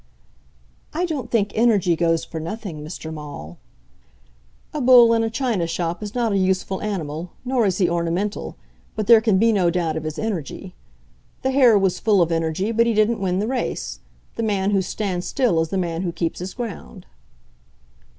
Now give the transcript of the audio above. "I don't think energy goes for nothing, Mr. Maule." "A bull in a china shop is not a useful animal, nor is he ornamental, but there can be no doubt of his energy. The hare was full of energy, but he didn't win the race. The man who stands still is the man who keeps his ground."